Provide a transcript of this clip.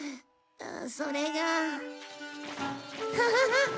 それが。ハハハ！